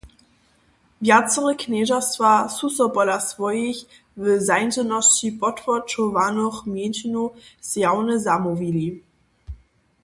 Wjacore knježerstwa su so pola swojich w zańdźenosći potłóčowanych mjeńšinow zjawnje zamołwili.